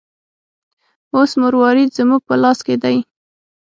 اوس مروارید زموږ په لاس کې دی.